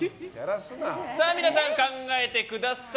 皆さん、考えてください。